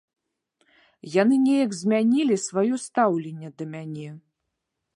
Яны неяк змянілі сваё стаўленне да мяне.